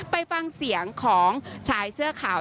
ไปฟังเสียงของชายเสื้อขาว